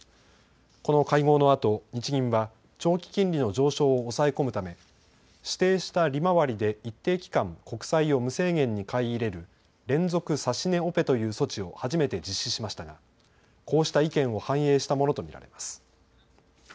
この会合のあと日銀は長期金利の上昇を抑え込むため指定した利回りで一定期間国債を無制限に買い入れる連続指値オペという措置を初めて実施しましたが、こうした意見を反映したものと見られます。